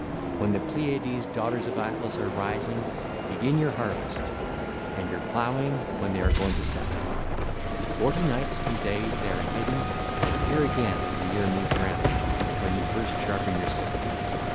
(ll. 383 404) When the Pleiades, daughters of Atlas, are rising 1310, begin your harvest, and your ploughing when they are going to set 1311. Forty nights and days they are hidden and appear again as the year moves round, when first you sharpen your sickle.